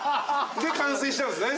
で完成しちゃうんですね